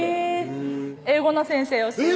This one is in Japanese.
英語の先生をしてます